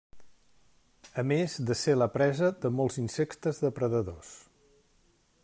A més de ser la presa de molts insectes depredadors.